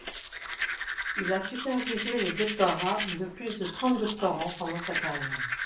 Il a supervisé les doctorats de plus de trente doctorants pendant sa carrière.